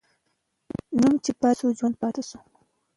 نوم چې پاتې سو، ژوندی پاتې سو.